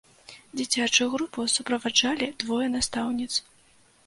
Дзіцячую групу суправаджалі двое настаўніц.